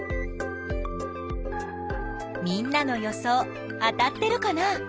みんなの予想当たってるかな？